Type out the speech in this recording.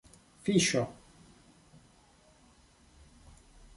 fiŝo